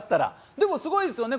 でもすごいですよね。